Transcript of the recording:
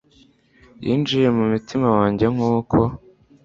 Yinjiye mu mutima wanjye nk'uko